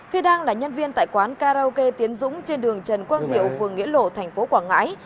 khi đang là nhân viên tại quán karaoke tiến dũng trên đường trần quang diệu phường nghĩa lộ thành phố quảng ngãi